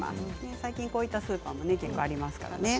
最近こういったスーパーも結構ありますからね。